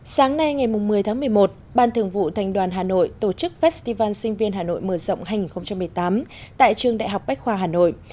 sáng nay ngày một mươi tháng một mươi một ban thường vụ thành đoàn hà nội tổ chức festival sinh viên hà nội mở rộng hành một mươi tám tại trường đại học bách khoa hà nội